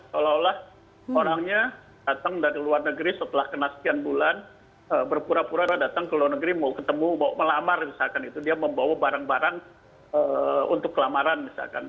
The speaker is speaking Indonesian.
seolah olah orangnya datang dari luar negeri setelah kena sekian bulan berpura pura datang ke luar negeri mau ketemu mau melamar misalkan itu dia membawa barang barang untuk kelamaran misalkan